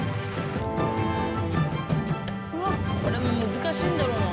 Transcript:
これも難しいんだろうな。